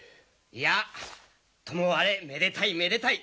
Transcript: いやともあれめでたいめでたい！